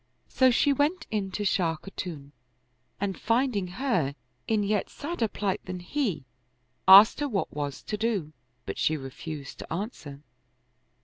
So she went in to Shah Khatun and finding her in yet sadder plight than he, asked her what was to do ; but she refused to answer.